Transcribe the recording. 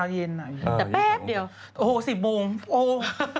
แต่แป๊บเดียวโอ้โห๑๐องศาเซียสโอ้โห